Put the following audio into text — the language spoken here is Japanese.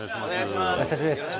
お久しぶりです。